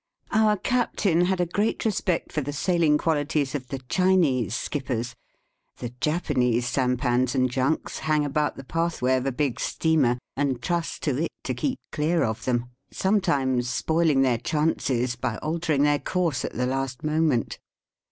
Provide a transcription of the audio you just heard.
Our captain had a great respect for the sailing qualities of the Chinese skippers. The Japanese sampans and junks hang about the pathway of a big steamer, and trust to it to keep clear of them, sometimes spoiling their chances by altering their course at the last nxoment.